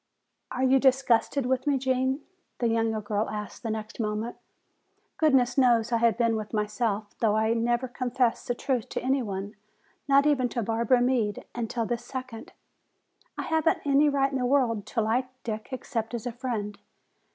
"Are you disgusted with me, Gene?" the younger girl asked the next moment. "Goodness knows, I have been with myself, though I never confessed the truth to any one, not even to Barbara Meade, until this second. I haven't any right in the world to like Dick except as a friend.